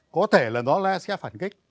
có thể là nó sẽ phản kích